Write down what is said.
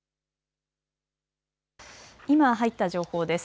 今、入った情報です。